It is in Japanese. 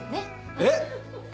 えっ？